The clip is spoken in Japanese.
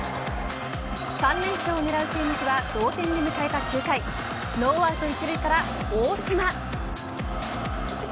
３連勝をねらう中日は同点で迎えた９回ノーアウト１塁から大島。